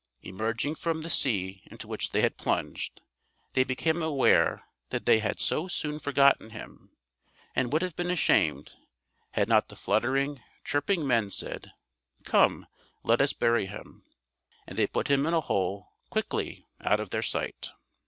Emerging from the sea into which they had plunged, they became aware that they had so soon forgotten him, and would have been ashamed, had not the fluttering, chirping men said, "Come, let us bury him." And they put him in a hole, quickly, out of their sight.